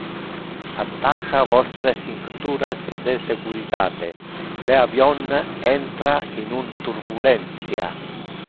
Attacha vostre cincturas de securitate, le avion entra in un turbulentia.